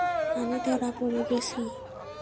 আমি ধরা পরে গেছি!